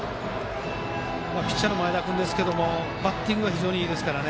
ピッチャーの前田君ですがバッティングが非常にいいので。